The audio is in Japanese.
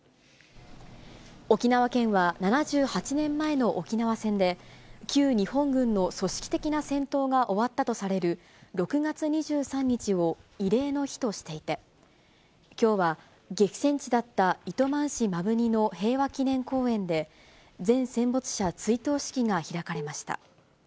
沖縄県は７８年前の沖縄戦で、旧日本軍の組織的な戦闘が終わったとされる６月２３日を慰霊の日としていて、きょうは激戦地だった糸満市摩文仁の平和祈念公園で、全戦没者追悼式が開かれました。